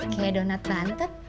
kayak donat lantet